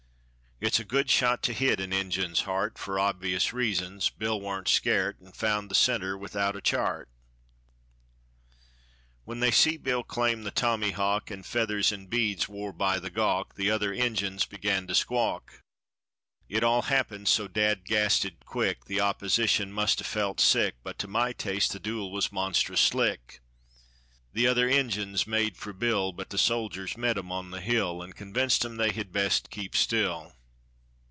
It's a good shot to hit a Injun's heart, For obvious reasons. Bill wa'n't scart, An' found the center without a chart. When they see Bill claim the tommyhawk An' feathers an' beads wore by the gawk, The other Injuns begin to squawk. It all happened so dad gasted quick, The opposition must 'a' felt sick; But to my taste the duel was monstrous slick. The other Injuns made for Bill, But the soljers met 'em on the hill, An' convinced 'em they had best keep still.